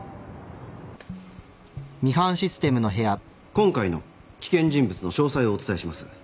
・今回の危険人物の詳細をお伝えします。